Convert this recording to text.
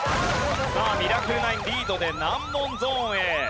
ミラクル９リードで難問ゾーンへ。